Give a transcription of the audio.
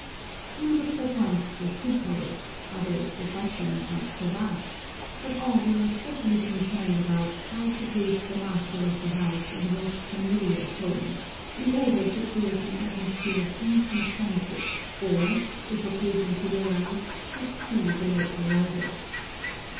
Some looked at once for shoe polish, others for buttons and cravats, but all were especially concerned about how to greet the master of the house in the most familiar tone, in order to create an atmosphere of ancient friendship or, if occasion should arise, to excuse a late arrival.